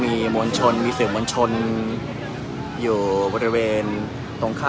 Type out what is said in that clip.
การประตูกรมทหารราชที่สิบเอ็ดเป็นภาพสดขนาดนี้นะครับ